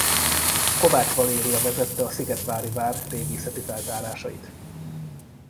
Kováts Valéria vezette a szigetvári vár régészeti feltárásait.